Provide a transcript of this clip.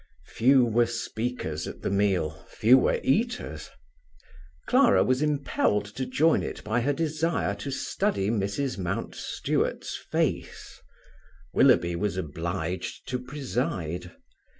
Few were speakers at the meal, few were eaters. Clara was impelled to join it by her desire to study Mrs. Mountstuart's face. Willoughby was obliged to preside.